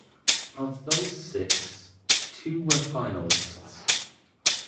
Of those six, two were finalists.